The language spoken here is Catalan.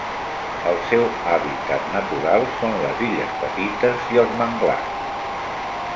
El seu hàbitat natural són les illes petites i els manglars.